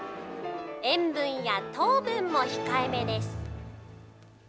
塩分や糖分も控えめです。